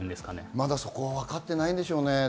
まだわかっていないんでしょうね。